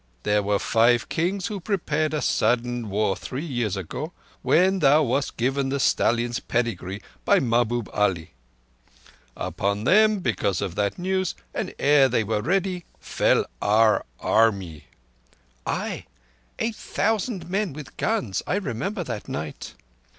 There were Five Kings who prepared a sudden war three years ago, when thou wast given the stallion's pedigree by Mahbub Ali. Upon them, because of that news, and ere they were ready, fell our Army." "Ay—eight thousand men with guns. I remember that night."